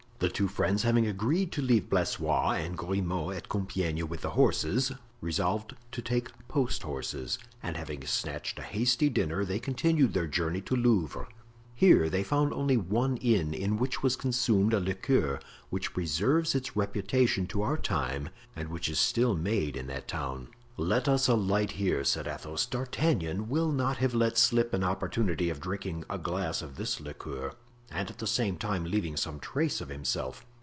The two friends having agreed to leave Blaisois and Grimaud at Compiegne with the horses, resolved to take post horses; and having snatched a hasty dinner they continued their journey to Louvres. Here they found only one inn, in which was consumed a liqueur which preserves its reputation to our time and which is still made in that town. "Let us alight here," said Athos. "D'Artagnan will not have let slip an opportunity of drinking a glass of this liqueur, and at the same time leaving some trace of himself."